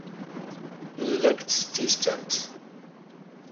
ⵏⵍⵍⴰ ⴳ ⵜⵙⵙ ⵜⵉⵙ ⵜⴰⵎⵜ.